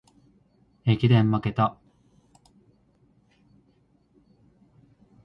駅伝まけた